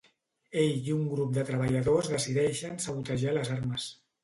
Ell i un grup de treballadors decideixen sabotejar les armes.